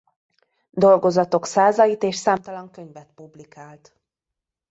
Dolgozatok százait és számtalan könyvet publikált.